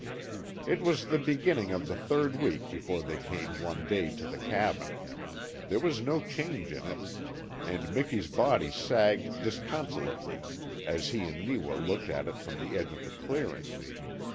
It was the beginning of the third week before they came one day to the cabin. There was no change in it, and Miki's body sagged disconsolately as he and Neewa looked at it from the edge of the clearing.